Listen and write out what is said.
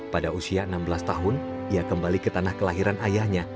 pada usia enam belas tahun ia kembali ke tanah kelahiran ayahnya